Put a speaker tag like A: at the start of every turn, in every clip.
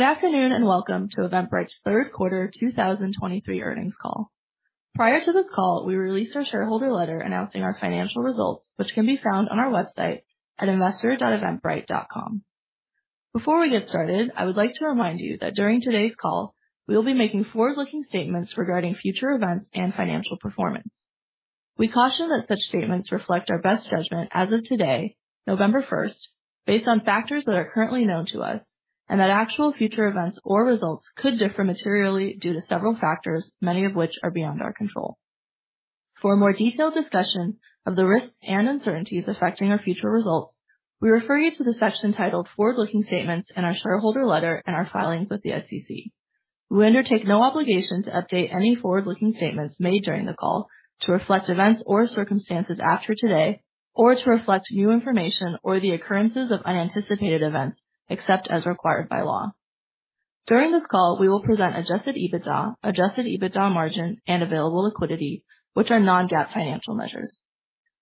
A: Good afternoon, and welcome to Eventbrite's third quarter 2023 earnings call. Prior to this call, we released our shareholder letter announcing our financial results, which can be found on our website at investor.eventbrite.com. Before we get started, I would like to remind you that during today's call, we will be making forward-looking statements regarding future events and financial performance. We caution that such statements reflect our best judgment as of today, November 1, based on factors that are currently known to us, and that actual future events or results could differ materially due to several factors, many of which are beyond our control. For a more detailed discussion of the risks and uncertainties affecting our future results, we refer you to the section titled Forward-Looking Statements in our shareholder letter and our filings with the SEC. We undertake no obligation to update any forward-looking statements made during the call to reflect events or circumstances after today or to reflect new information or the occurrences of unanticipated events, except as required by law. During this call, we will present adjusted EBITDA, adjusted EBITDA margin, and available liquidity, which are non-GAAP financial measures.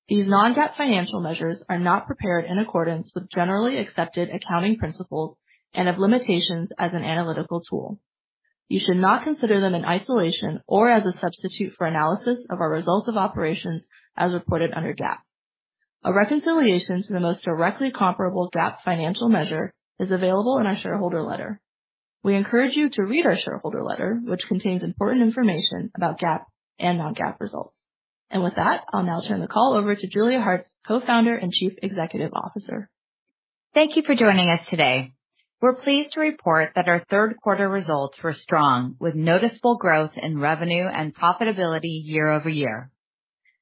A: These non-GAAP financial measures are not prepared in accordance with generally accepted accounting principles and have limitations as an analytical tool. You should not consider them in isolation or as a substitute for analysis of our results of operations as reported under GAAP. A reconciliation to the most directly comparable GAAP financial measure is available in our shareholder letter. We encourage you to read our shareholder letter, which contains important information about GAAP and non-GAAP results. With that, I'll now turn the call over to Julia Hartz, Co-founder and Chief Executive Officer.
B: Thank you for joining us today. We're pleased to report that our third quarter results were strong, with noticeable growth in revenue and profitability year-over-year.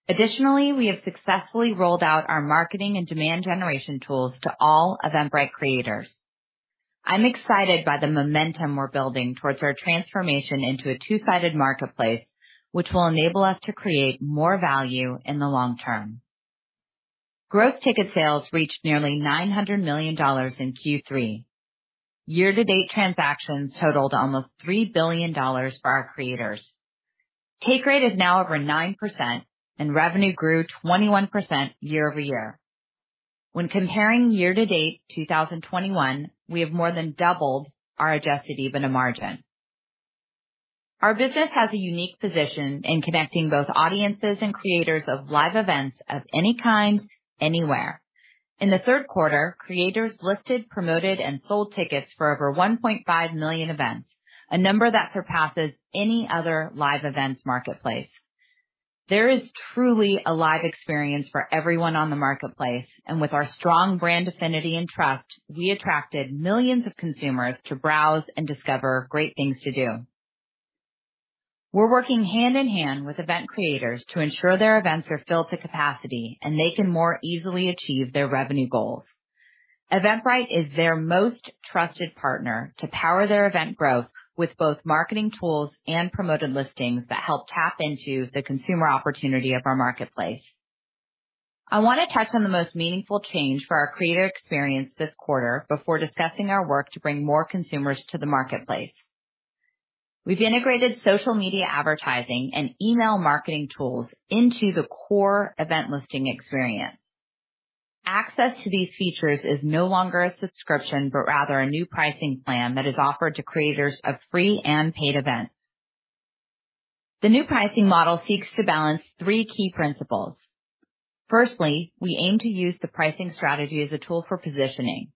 B: Additionally, we have successfully rolled out our marketing and demand generation tools to all Eventbrite creators. I'm excited by the momentum we're building towards our transformation into a two-sided marketplace, which will enable us to create more value in the long term. Gross ticket sales reached nearly $900 million in Q3. Year to date, transactions totaled almost $3 billion for our creators. Take rate is now over 9%, and revenue grew 21% year-over-year. When comparing year to date 2021, we have more than doubled our adjusted EBITDA margin. Our business has a unique position in connecting both audiences and creators of live events of any kind, anywhere. In the third quarter, creators listed, promoted, and sold tickets for over 1,500,000 events, a number that surpasses any other live events marketplace. There is truly a live experience for everyone on the marketplace, and with our strong brand affinity and trust, we attracted millions of consumers to browse and discover great things to do. We're working hand in hand with event creators to ensure their events are filled to capacity, and they can more easily achieve their revenue goals. Eventbrite is their most trusted partner to power their event growth with both marketing tools and promoted listings that help tap into the consumer opportunity of our marketplace. I want to touch on the most meaningful change for our creator experience this quarter before discussing our work to bring more consumers to the marketplace. We've integrated social media advertising and email marketing tools into the core event listing experience. Access to these features is no longer a subscription, but rather a new pricing plan that is offered to creators of free and paid events. The new pricing model seeks to balance three key principles. Firstly, we aim to use the pricing strategy as a tool for positioning.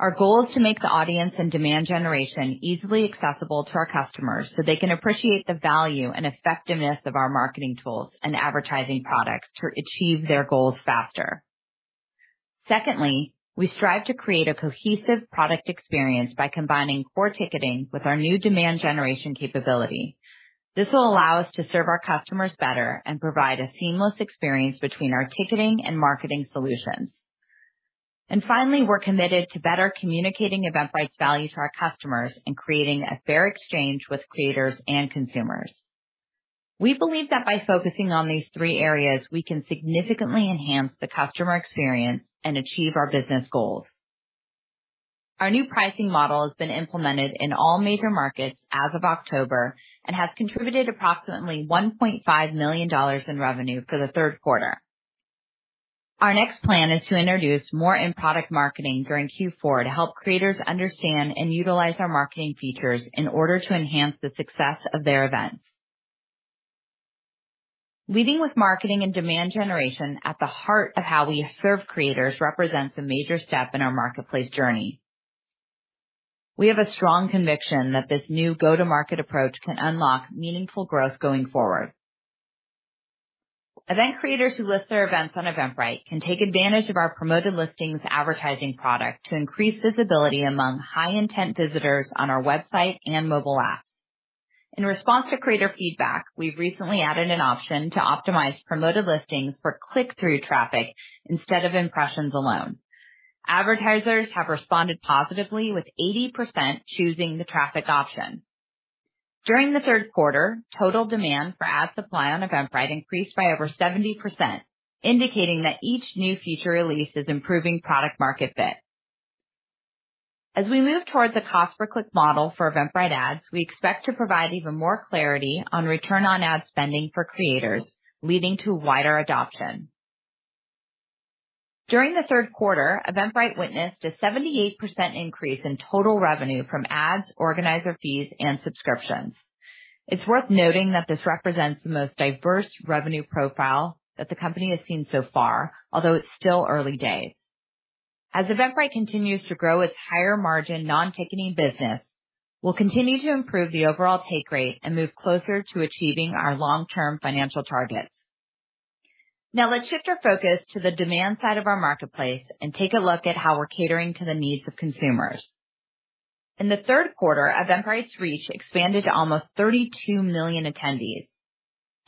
B: Our goal is to make the audience and demand generation easily accessible to our customers, so they can appreciate the value and effectiveness of our marketing tools and advertising products to achieve their goals faster. Secondly, we strive to create a cohesive product experience by combining core ticketing with our new demand generation capability. This will allow us to serve our customers better and provide a seamless experience between our ticketing and marketing solutions. Finally, we're committed to better communicating Eventbrite's value to our customers and creating a fair exchange with creators and consumers. We believe that by focusing on these three areas, we can significantly enhance the customer experience and achieve our business goals. Our new pricing model has been implemented in all major markets as of October and has contributed approximately $1.5 million in revenue for the third quarter. Our next plan is to introduce more in-product marketing during Q4 to help creators understand and utilize our marketing features in order to enhance the success of their events. Leading with marketing and demand generation at the heart of how we serve creators represents a major step in our marketplace journey. We have a strong conviction that this new go-to-market approach can unlock meaningful growth going forward. Event creators who list their events on Eventbrite can take advantage of our promoted listings advertising product to increase visibility among high-intent visitors on our website and mobile apps. In response to creator feedback, we've recently added an option to optimize promoted listings for click-through traffic instead of impressions alone. Advertisers have responded positively, with 80% choosing the traffic option. During the third quarter, total demand for ad supply on Eventbrite increased by over 70%, indicating that each new feature release is improving product market fit. As we move towards a cost per click model for Eventbrite ads, we expect to provide even more clarity on return on ad spending for creators, leading to wider adoption. During the third quarter, Eventbrite witnessed a 78% increase in total revenue from ads, organizer fees, and subscriptions. It's worth noting that this represents the most diverse revenue profile that the company has seen so far, although it's still early days. As Eventbrite continues to grow its higher margin, non-ticketing business, we'll continue to improve the overall take rate and move closer to achieving our long-term financial targets. Now let's shift our focus to the demand side of our marketplace and take a look at how we're catering to the needs of consumers. In the third quarter, Eventbrite's reach expanded to almost 32,000,000 attendees.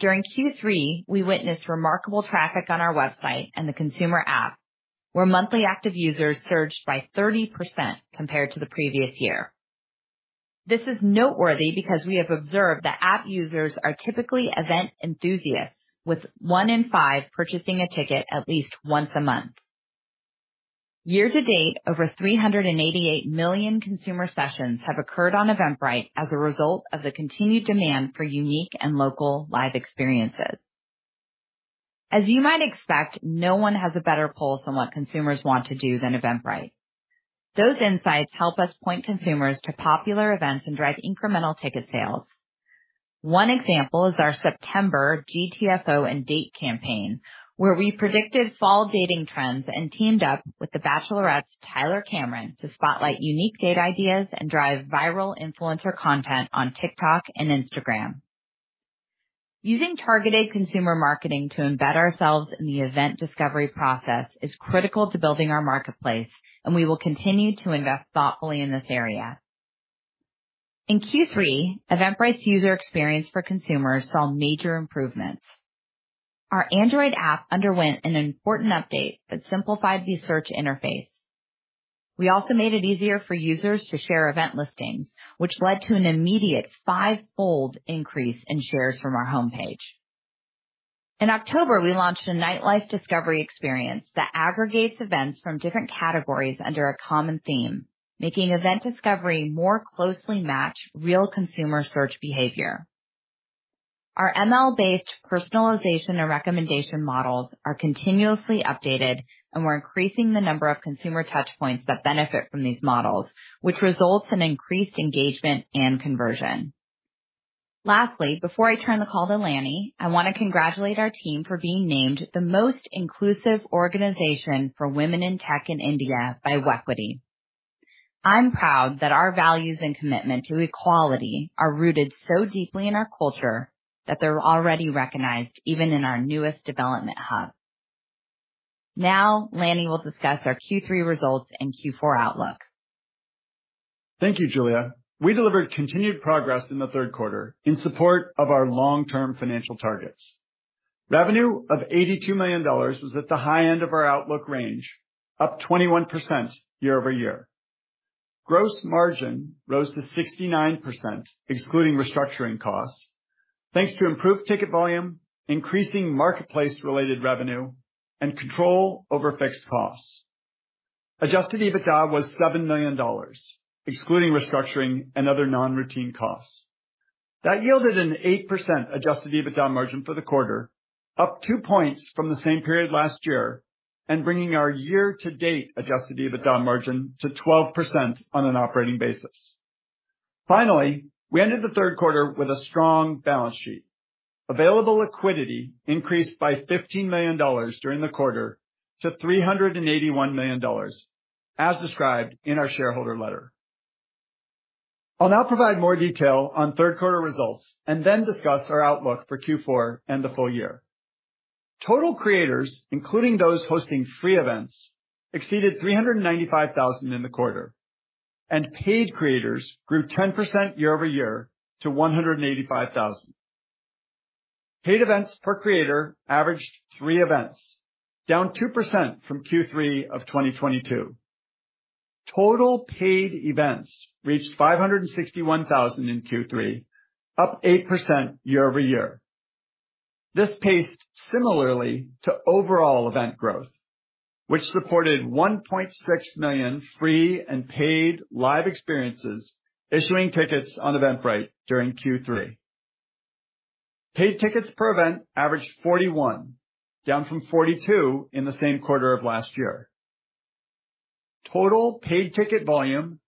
B: During Q3, we witnessed remarkable traffic on our website and the consumer app, where monthly active users surged by 30% compared to the previous year. This is noteworthy because we have observed that app users are typically event enthusiasts, with one in five purchasing a ticket at least once a month. Year to date, over 388,000,000 consumer sessions have occurred on Eventbrite as a result of the continued demand for unique and local live experiences. As you might expect, no one has a better pulse on what consumers want to do than Eventbrite. Those insights help us point consumers to popular events and drive incremental ticket sales. One example is our September GTFO & Date campaign, where we predicted fall dating trends and teamed up with The Bachelorette's Tyler Cameron to spotlight unique date ideas and drive viral influencer content on TikTok and Instagram. Using targeted consumer marketing to embed ourselves in the event discovery process is critical to building our marketplace, and we will continue to invest thoughtfully in this area. In Q3, Eventbrite's user experience for consumers saw major improvements. Our Android app underwent an important update that simplified the search interface. We also made it easier for users to share event listings, which led to an immediate five-fold increase in shares from our homepage. In October, we launched a nightlife discovery experience that aggregates events from different categories under a common theme, making event discovery more closely match real consumer search behavior. Our ML-based personalization and recommendation models are continuously updated, and we're increasing the number of consumer touch points that benefit from these models, which results in increased engagement and conversion. Lastly, before I turn the call to Lanny, I want to congratulate our team for being named the Most Inclusive Organization for Women in Tech in India by Wequity. I'm proud that our values and commitment to equality are rooted so deeply in our culture that they're already recognized, even in our newest development hub. Now Lanny will discuss our Q3 results and Q4 outlook.
C: Thank you, Julia. We delivered continued progress in the third quarter in support of our long-term financial targets. Revenue of $82 million was at the high end of our outlook range, up 21% year-over-year. Gross margin rose to 69%, excluding restructuring costs, thanks to improved ticket volume, increasing marketplace-related revenue, and control over fixed costs. Adjusted EBITDA was $7 million, excluding restructuring and other non-routine costs. That yielded an 8% adjusted EBITDA margin for the quarter, up two points from the same period last year, and bringing our year-to-date adjusted EBITDA margin to 12% on an operating basis. Finally, we ended the third quarter with a strong balance sheet. Available liquidity increased by $15 million during the quarter to $381 million, as described in our shareholder letter. I'll now provide more detail on third quarter results and then discuss our outlook for Q4 and the full year. Total creators, including those hosting free events, exceeded 395,000 in the quarter, and paid creators grew 10% year-over-year to 185,000. Paid events per creator averaged three events, down 2% from Q3 of 2022. Total paid events reached 561,000 in Q3, up 8% year-over-year. This paced similarly to overall event growth, which supported 1,600,000 free and paid live experiences, issuing tickets on Eventbrite during Q3. Paid tickets per event averaged 41, down from 42 in the same quarter of last year. Total paid ticket volume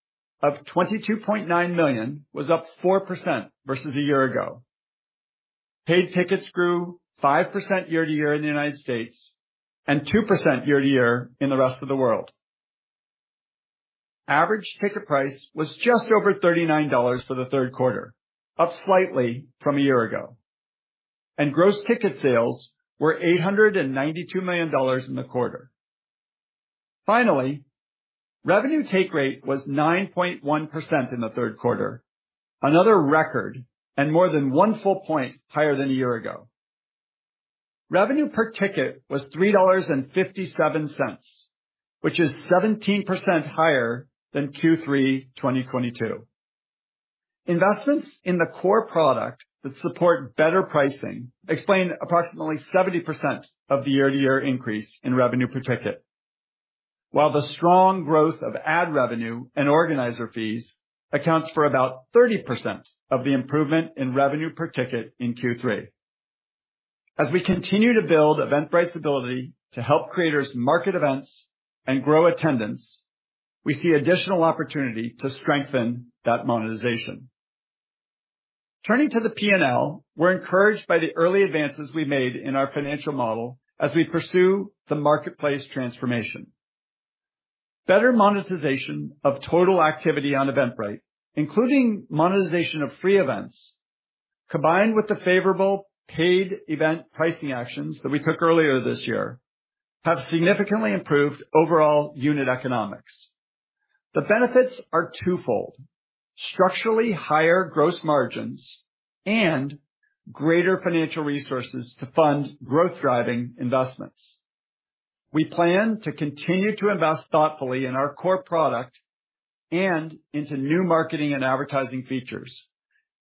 C: of 22,900,000 was up 4% versus a year ago. Paid tickets grew 5% year-over-year in the United States and 2% year-over-year in the rest of the world. Average ticket price was just over $39 for the third quarter, up slightly from a year ago, and gross ticket sales were $892 million in the quarter. Finally, revenue take rate was 9.1% in the third quarter, another record and more than one full point higher than a year ago. Revenue per ticket was $3.57, which is 17% higher than Q3 2022. Investments in the core product that support better pricing explain approximately 70% of the year-to-year increase in revenue per ticket, while the strong growth of ad revenue and organizer fees accounts for about 30% of the improvement in revenue per ticket in Q3. As we continue to build Eventbrite's ability to help creators market events and grow attendance, we see additional opportunity to strengthen that monetization. Turning to the P&L, we're encouraged by the early advances we made in our financial model as we pursue the marketplace transformation. Better monetization of total activity on Eventbrite, including monetization of free events, combined with the favorable paid event pricing actions that we took earlier this year, have significantly improved overall unit economics. The benefits are twofold: structurally higher gross margins and greater financial resources to fund growth-driving investments. We plan to continue to invest thoughtfully in our core product and into new marketing and advertising features,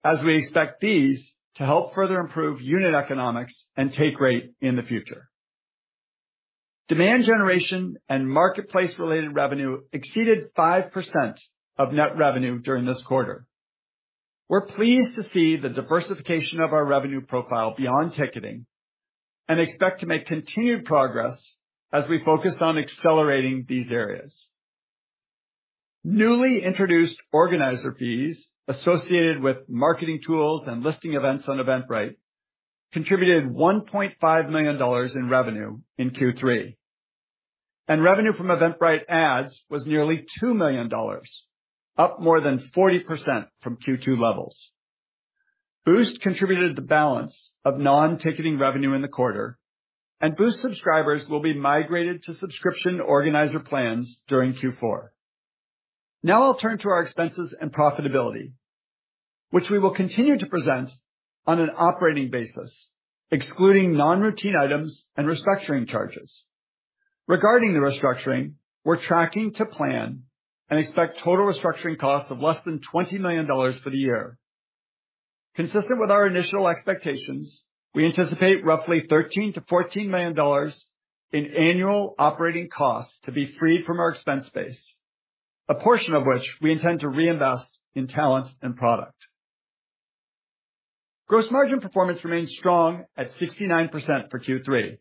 C: as we expect these to help further improve unit economics and take rate in the future. Demand generation and marketplace-related revenue exceeded 5% of net revenue during this quarter. We're pleased to see the diversification of our revenue profile beyond ticketing, and expect to make continued progress as we focus on accelerating these areas. Newly introduced organizer fees associated with marketing tools and listing events on Eventbrite contributed $1.5 million in revenue in Q3, and revenue from Eventbrite Ads was nearly $2 million, up more than 40% from Q2 levels. Boost contributed the balance of non-ticketing revenue in the quarter, and Boost subscribers will be migrated to subscription organizer plans during Q4. Now I'll turn to our expenses and profitability, which we will continue to present on an operating basis, excluding non-routine items and restructuring charges. Regarding the restructuring, we're tracking to plan and expect total restructuring costs of less than $20 million for the year. Consistent with our initial expectations, we anticipate roughly $13 million-$14 million in annual operating costs to be freed from our expense base, a portion of which we intend to reinvest in talent and product. Gross margin performance remains strong at 69% for Q3.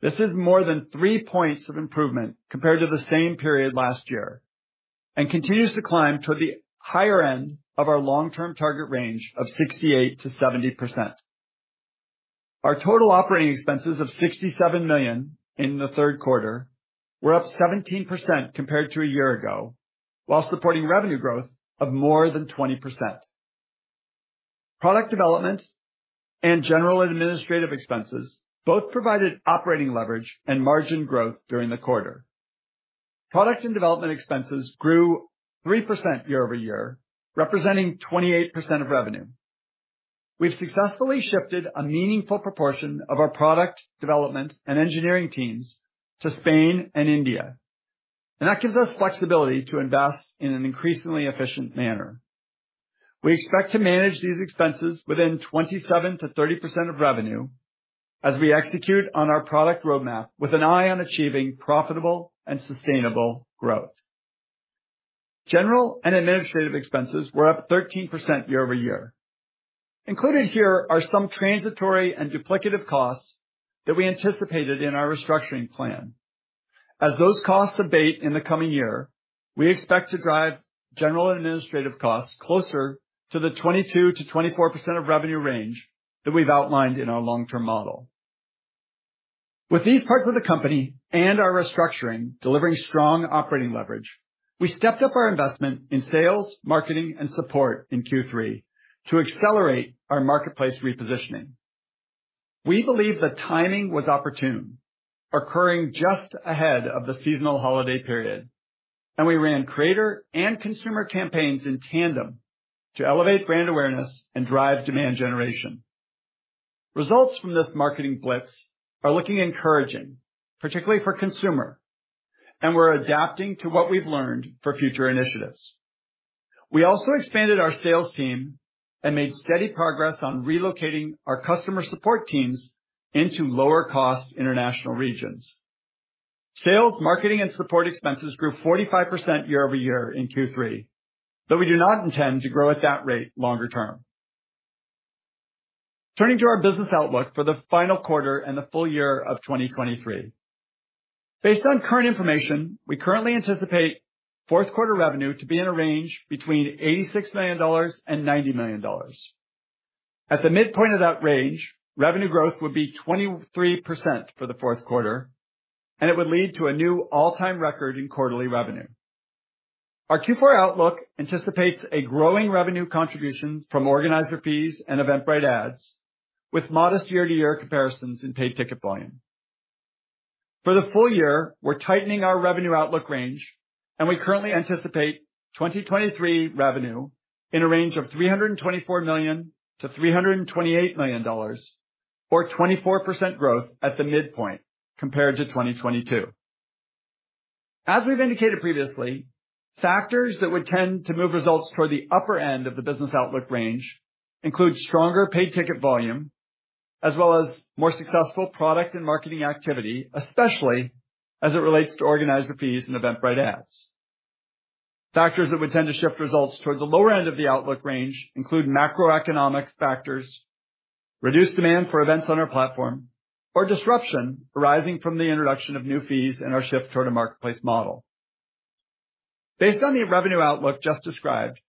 C: This is more than 3 points of improvement compared to the same period last year, and continues to climb toward the higher end of our long-term target range of 68%-70%. Our total operating expenses of $67 million in the third quarter were up 17% compared to a year ago, while supporting revenue growth of more than 20%. Product development and general administrative expenses both provided operating leverage and margin growth during the quarter. Product and development expenses grew 3% year-over-year, representing 28% of revenue. We've successfully shifted a meaningful proportion of our product development and engineering teams to Spain and India, and that gives us flexibility to invest in an increasingly efficient manner. We expect to manage these expenses within 27%-30% of revenue as we execute on our product roadmap with an eye on achieving profitable and sustainable growth. General and administrative expenses were up 13% year-over-year. Included here are some transitory and duplicative costs that we anticipated in our restructuring plan. As those costs abate in the coming year, we expect to drive general and administrative costs closer to the 22%-24% of revenue range that we've outlined in our long-term model. With these parts of the company and our restructuring delivering strong operating leverage, we stepped up our investment in sales, marketing, and support in Q3 to accelerate our marketplace repositioning. We believe the timing was opportune, occurring just ahead of the seasonal holiday period, and we ran creator and consumer campaigns in tandem to elevate brand awareness and drive demand generation. Results from this marketing blitz are looking encouraging, particularly for consumer, and we're adapting to what we've learned for future initiatives. We also expanded our sales team and made steady progress on relocating our customer support teams into lower cost international regions. Sales, marketing, and support expenses grew 45% year over year in Q3, though we do not intend to grow at that rate longer term. Turning to our business outlook for the final quarter and the full year of 2023. Based on current information, we currently anticipate fourth quarter revenue to be in a range between $86 million and $90 million. At the midpoint of that range, revenue growth would be 23% for the fourth quarter, and it would lead to a new all-time record in quarterly revenue. Our Q4 outlook anticipates a growing revenue contribution from organizer fees and Eventbrite Ads, with modest year-to-year comparisons in paid ticket volume, as well as more successful product and marketing activity, especially as it relates to organizer fees and Eventbrite Ads. For the full year, we're tightening our revenue outlook range, and we currently anticipate 2023 revenue in a range of $324 million-$328 million, or 24% growth at the midpoint compared to 2022. As we've indicated previously, factors that would tend to move results toward the upper end of the business outlook range include stronger paid ticket volume. Factors that would tend to shift results toward the lower end of the outlook range include macroeconomic factors, reduced demand for events on our platform, or disruption arising from the introduction of new fees and our shift toward a marketplace model. Based on the revenue outlook just described,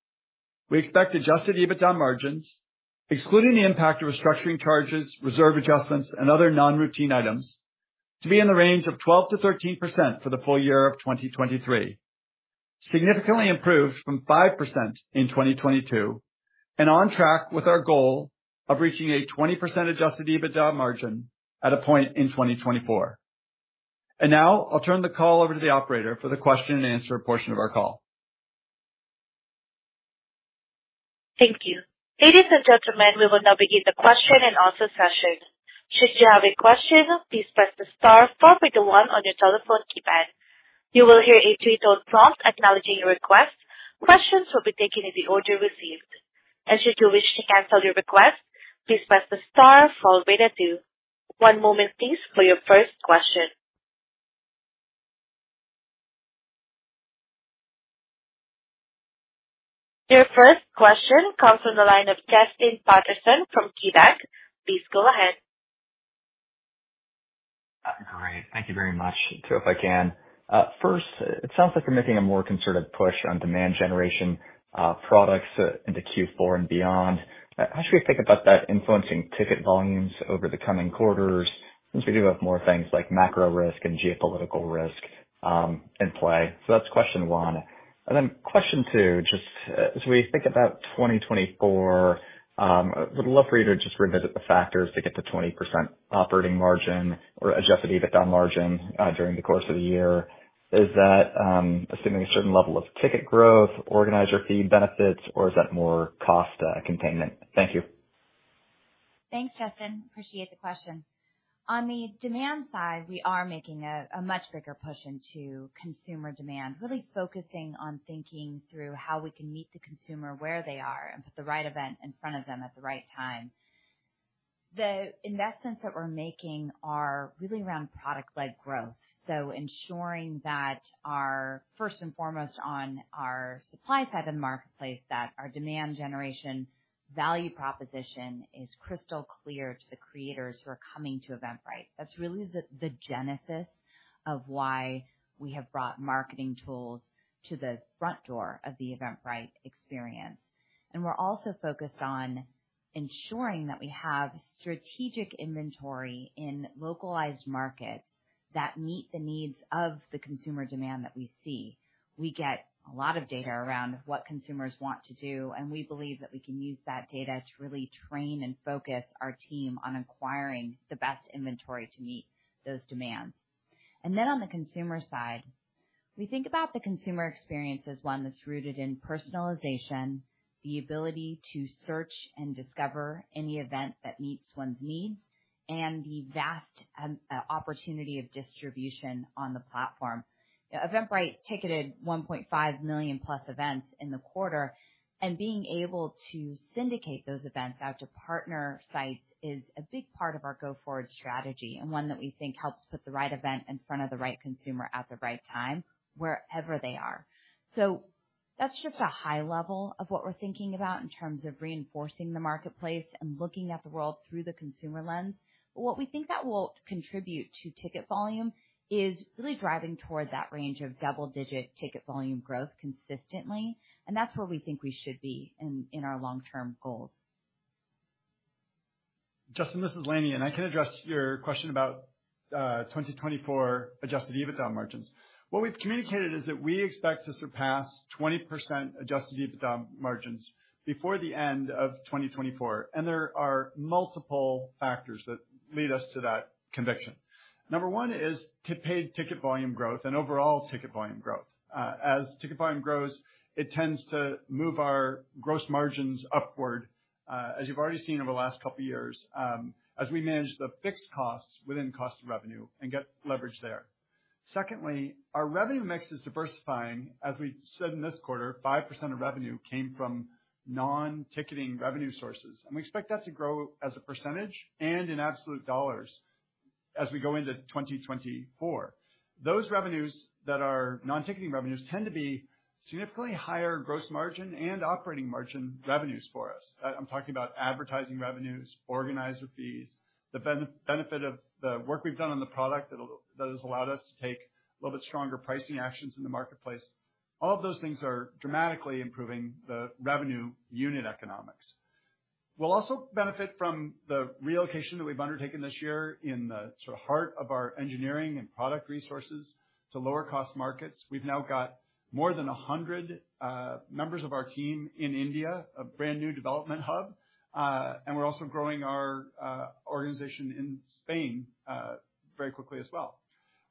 C: we expect adjusted EBITDA margins, excluding the impact of restructuring charges, reserve adjustments, and other non-routine items, to be in the range of 12%-13% for the full year of 2023. Significantly improved from 5% in 2022, and on track with our goal of reaching a 20% adjusted EBITDA margin at a point in 2024. Now I'll turn the call over to the operator for the question and answer portion of our call.
A: Thank you. Ladies and gentlemen, we will now begin the question and answer session. Should you have a question, please press the star followed by the one on your telephone keypad. You will hear a two-tone prompt acknowledging your request. Questions will be taken in the order received, and should you wish to cancel your request, please press the star followed by the two. One moment, please, for your first question. Your first question comes from the line of Justin Patterson from KeyBanc. Please go ahead.
D: Great. Thank you very much. So if I can, first, it sounds like you're making a more concerted push on demand generation, products into Q4 and beyond. How should we think about that influencing ticket volumes over the coming quarters, since we do have more things like macro risk and geopolitical risk, in play? So that's question one. And then question two, just as we think about 2024, would love for you to just revisit the factors to get to 20% operating margin or adjusted EBITDA margin, during the course of the year. Is that, assuming a certain level of ticket growth, organizer fee benefits, or is that more cost, containment? Thank you.
B: Thanks, Justin. Appreciate the question. On the demand side, we are making a much bigger push into consumer demand, really focusing on thinking through how we can meet the consumer where they are and put the right event in front of them at the right time. The investments that we're making are really around product-led growth, so ensuring that our first and foremost on our supply side of the marketplace, that our demand generation value proposition is crystal clear to the creators who are coming to Eventbrite. That's really the genesis of why we have brought marketing tools to the front door of the Eventbrite experience. And we're also focused on ensuring that we have strategic inventory in localized markets that meet the needs of the consumer demand that we see. We get a lot of data around what consumers want to do, and we believe that we can use that data to really train and focus our team on acquiring the best inventory to meet those demands. And then on the consumer side, we think about the consumer experience as one that's rooted in personalization, the ability to search and discover any event that meets one's needs, and the vast opportunity of distribution on the platform. Eventbrite ticketed 1,500,000+ events in the quarter, and being able to syndicate those events out to partner sites is a big part of our go-forward strategy, and one that we think helps put the right event in front of the right consumer at the right time, wherever they are. That's just a high level of what we're thinking about in terms of reinforcing the marketplace and looking at the world through the consumer lens. But what we think that will contribute to ticket volume is really driving toward that range of double-digit ticket volume growth consistently, and that's where we think we should be in our long-term goals.
C: Justin, this is Lanny, and I can address your question about 2024 adjusted EBITDA margins. What we've communicated is that we expect to surpass 20% adjusted EBITDA margins before the end of 2024, and there are multiple factors that lead us to that conviction. Number one is to paid ticket volume growth and overall ticket volume growth. As ticket volume grows, it tends to move our gross margins upward, as you've already seen over the last couple of years, as we manage the fixed costs within cost of revenue and get leverage there. Secondly, our revenue mix is diversifying. As we said in this quarter, 5% of revenue came from non-ticketing revenue sources, and we expect that to grow as a percentage and in absolute dollars as we go into 2024. Those revenues that are non-ticketing revenues tend to be significantly higher gross margin and operating margin revenues for us. I'm talking about advertising revenues, organizer fees, the benefit of the work we've done on the product that has allowed us to take a little bit stronger pricing actions in the marketplace. All of those things are dramatically improving the revenue unit economics. We'll also benefit from the relocation that we've undertaken this year in the sort of heart of our engineering and product resources to lower-cost markets. We've now got more than 100 members of our team in India, a brand-new development hub, and we're also growing our organization in Spain very quickly as well.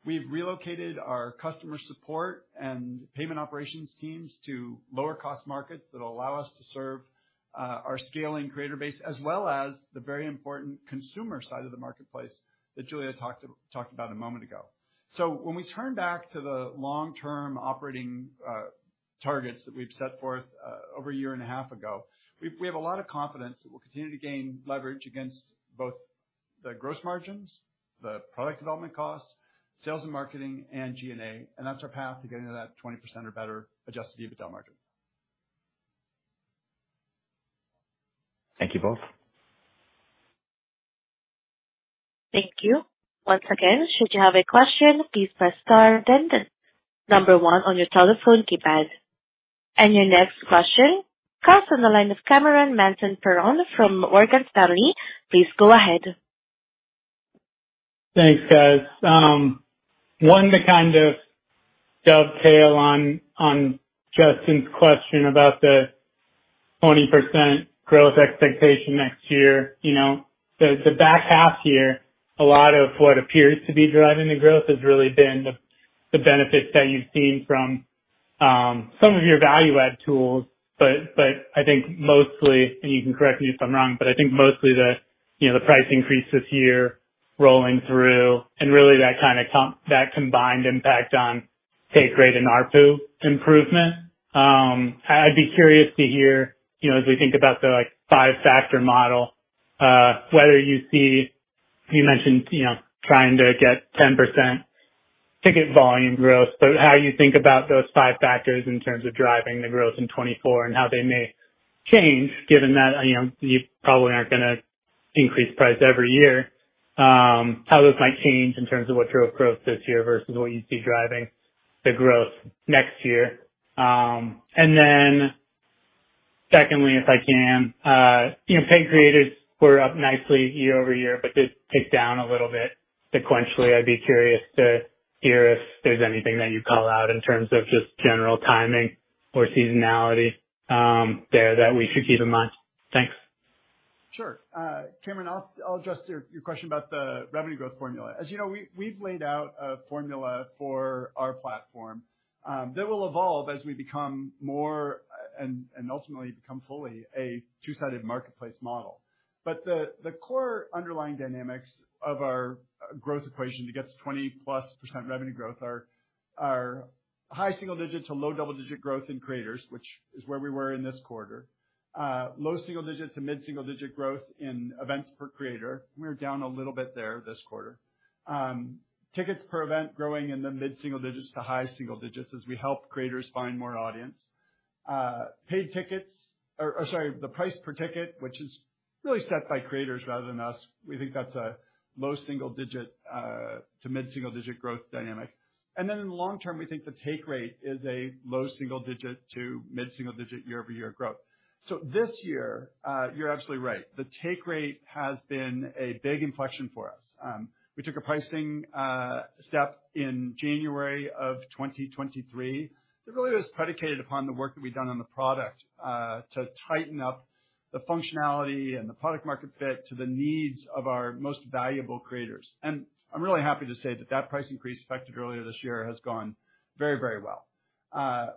C: We've relocated our customer support and payment operations teams to lower-cost markets that will allow us to serve our scaling creator base, as well as the very important consumer side of the marketplace that Julia talked about a moment ago. So when we turn back to the long-term operating targets that we've set forth over a year and a half ago, we have a lot of confidence that we'll continue to gain leverage against the gross margins, the product development costs, sales and marketing, and G&A, and that's our path to getting to that 20% or better adjusted EBITDA margin.
D: Thank you, both.
A: Thank you. Once again, should you have a question, please press star then number one on your telephone keypad. Your next question comes on the line of Cameron Mansson-Perrone from Morgan Stanley. Please go ahead.
E: Thanks, guys. One, to kind of dovetail on Justin's question about the 20% growth expectation next year, you know, the back half year, a lot of what appears to be driving the growth has really been the benefits that you've seen from some of your value-add tools. But I think mostly, and you can correct me if I'm wrong, but I think mostly the, you know, the price increases year rolling through, and really that kind of comp- that combined impact on take rate and ARPU improvement. I'd be curious to hear, you know, as we think about the like five-factor model, whether you see... You mentioned, you know, trying to get 10% ticket volume growth, but how you think about those five factors in terms of driving the growth in 2024 and how they may change, given that, you know, you probably aren't gonna increase price every year. How this might change in terms of what drove growth this year versus what you see driving the growth next year? And then secondly, if I can, you know, paid creators were up nicely year-over-year, but did tick down a little bit sequentially. I'd be curious to hear if there's anything that you'd call out in terms of just general timing or seasonality, there, that we should keep in mind. Thanks.
C: Sure. Cameron, I'll address your question about the revenue growth formula. As you know, we've laid out a formula for our platform that will evolve as we become more and ultimately become fully a two-sided marketplace model. But the core underlying dynamics of our growth equation to get to 20%+ revenue growth are high single digit to low double digit growth in creators, which is where we were in this quarter. Low single digit to mid-single digit growth in events per creator. We're down a little bit there this quarter. Tickets per event growing in the mid-single digits to high single digits as we help creators find more audience. Sorry, the price per ticket, which is really set by creators rather than us, we think that's a low single digit to mid-single digit growth dynamic. And then in the long term, we think the take rate is a low single digit to mid-single digit year-over-year growth. So this year, you're absolutely right. The take rate has been a big inflection for us. We took a pricing step in January 2023. It really was predicated upon the work that we've done on the product to tighten up the functionality and the product market fit to the needs of our most valuable creators. And I'm really happy to say that that price increase, effective earlier this year, has gone very, very well.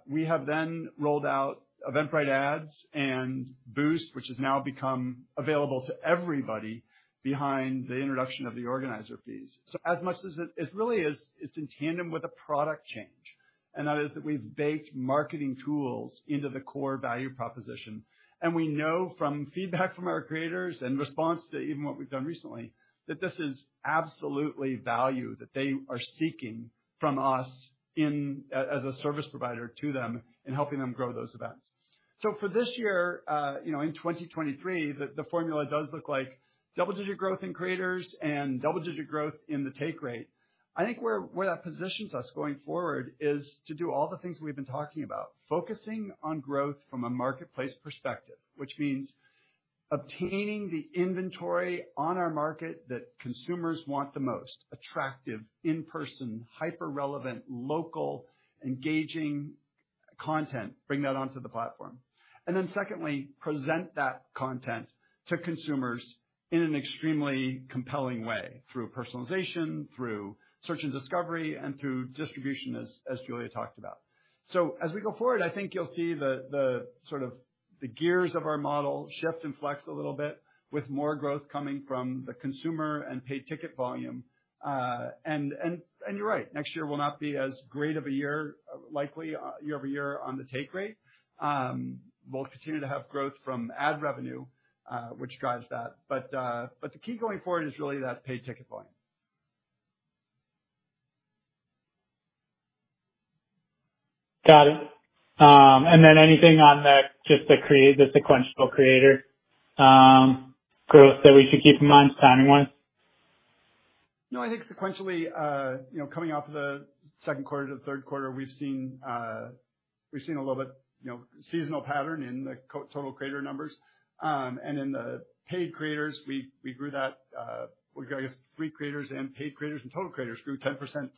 C: We have then rolled out Eventbrite Ads and Boost, which has now become available to everybody behind the introduction of the organizer fees. So as much as it, it really is, it's in tandem with a product change, and that is that we've baked marketing tools into the core value proposition, and we know from feedback from our creators and response to even what we've done recently, that this is absolutely value that they are seeking from us as a service provider to them in helping them grow those events. So for this year, you know, in 2023, the formula does look like double-digit growth in creators and double-digit growth in the take rate. I think where that positions us going forward is to do all the things we've been talking about: Focusing on growth from a marketplace perspective, which means obtaining the inventory on our market that consumers want the most. Attractive, in-person, hyper-relevant, local, engaging content, bring that onto the platform. And then secondly, present that content to consumers in an extremely compelling way, through personalization, through search and discovery, and through distribution, as Julia talked about. So as we go forward, I think you'll see the sort of gears of our model shift and flex a little bit with more growth coming from the consumer and paid ticket volume. And you're right, next year will not be as great of a year, likely year over year on the take rate. We'll continue to have growth from ad revenue, which drives that, but the key going forward is really that paid ticket volume.
E: Got it. And then anything on just the sequential creator growth that we should keep in mind timing-wise?
C: No, I think sequentially, you know, coming off of the second quarter to the third quarter, we've seen, we've seen a little bit, you know, seasonal pattern in the total creator numbers. And in the paid creators, we grew that, I guess free creators and paid creators and total creators grew 10%+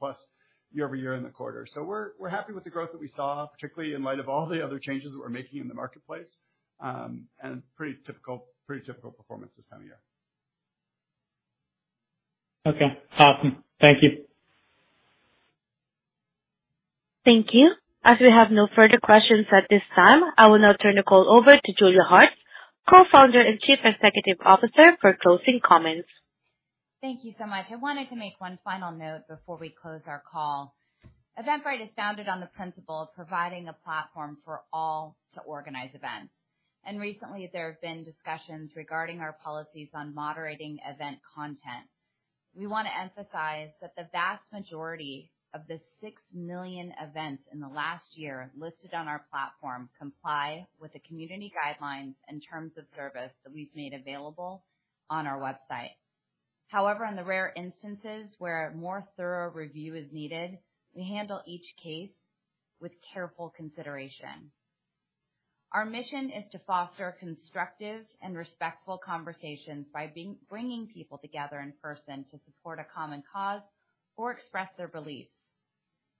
C: year-over-year in the quarter. So we're happy with the growth that we saw, particularly in light of all the other changes that we're making in the marketplace. And pretty typical performance this time of year.
E: Okay, awesome. Thank you.
A: Thank you. As we have no further questions at this time, I will now turn the call over to Julia Hartz, Co-founder and Chief Executive Officer, for closing comments.
B: Thank you so much. I wanted to make one final note before we close our call. Eventbrite is founded on the principle of providing a platform for all to organize events, and recently, there have been discussions regarding our policies on moderating event content. We want to emphasize that the vast majority of the 6,000,000 events in the last year listed on our platform comply with the community guidelines and terms of service that we've made available on our website. However, in the rare instances where a more thorough review is needed, we handle each case with careful consideration. Our mission is to foster constructive and respectful conversations by bringing people together in person to support a common cause or express their beliefs.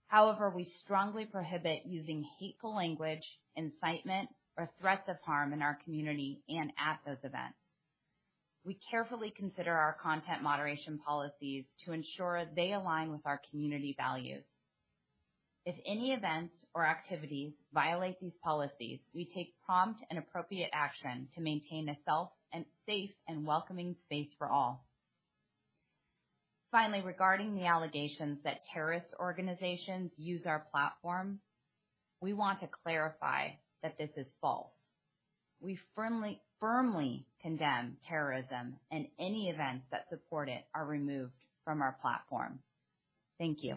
B: However, we strongly prohibit using hateful language, incitement, or threats of harm in our community and at those events. We carefully consider our content moderation policies to ensure they align with our community values. If any events or activities violate these policies, we take prompt and appropriate action to maintain a safe and welcoming space for all. Finally, regarding the allegations that terrorist organizations use our platform, we want to clarify that this is false. We firmly, firmly condemn terrorism, and any events that support it are removed from our platform. Thank you.